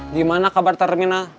gimana kabar terminal